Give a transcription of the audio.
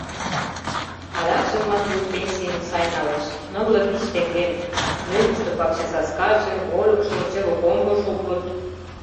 Адакшым Матвуй пенсийым сай налеш — нылле вич теҥгем, мӧҥгыштӧ пакчасаскаже, вольыкшо, чыве-комбыжо улыт.